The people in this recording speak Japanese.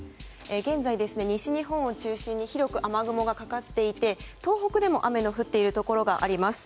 現在、西日本を中心に広く雨雲がかかっていて東北でも雨の降っているところがあります。